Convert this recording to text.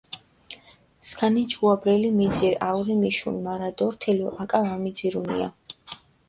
სქანიჯგუა ბრელი მიძირჷ აურე მიშუნ, მარა დორთელო აკა ვამიძირუნია.